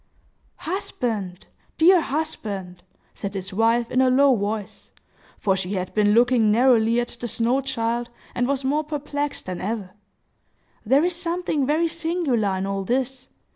"Husband! dear husband!" said his wife, in a low voice,—for she had been looking narrowly at the snow child, and was more perplexed than ever,—"there is something very singular in all this.